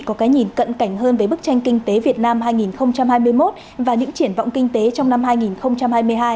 có cái nhìn cận cảnh hơn về bức tranh kinh tế việt nam hai nghìn hai mươi một và những triển vọng kinh tế trong năm hai nghìn hai mươi hai